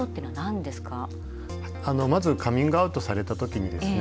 まずカミングアウトされた時にですね